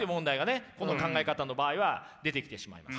この考え方の場合は出てきてしまいます。